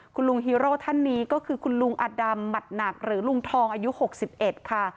คุณลุงฮีโร่ท่านนี้ก็คือคุณลุงอดำหมัดหนักหรือลุงทองอายุ๖๑ค่ะ